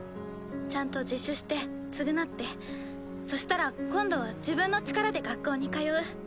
ちゃんと自首して償ってそしたら今度は自分の力で学校に通う。